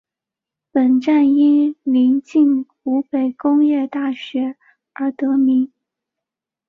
本站因临近湖北工业大学而得名。